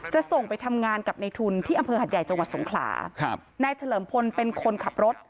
จะส่งไปทำงานกับในทุนที่อำเภอหัดใหญ่จังหวัดสงขลาครับนายเฉลิมพลเป็นคนขับรถ